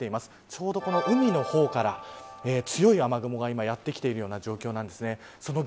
ちょうど海の方から強い雨雲が今やってきているような状況なんです。